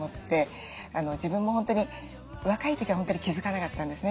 自分も本当に若い時は本当に気付かなかったんですね。